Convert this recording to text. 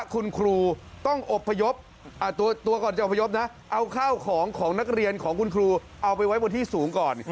คุณครูต้องเอาข้าวของของนักเรียนของคุณครูเอาไปไว้บนที่สูงก่อน